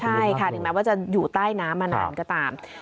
ใช่ค่ะถึงแม้ว่าจะอยู่ใต้น้ำมานานก็ตาม